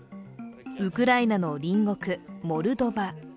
ウクライナの隣国・モルドバ。